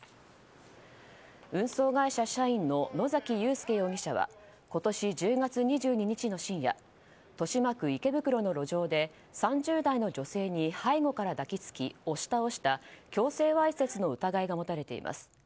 運送会社社員の野崎夕介容疑者は今年１０月２２日の深夜豊島区池袋の路上で３０代の女性に背後から抱き付き押し倒した強制わいせつの疑いが持たれています。